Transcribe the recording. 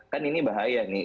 kan ini bahaya nih